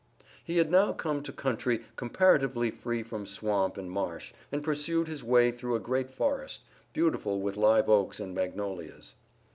He had now come to country comparatively free from swamp and marsh, and pursued his way through a great forest, beautiful with live oaks and magnolias.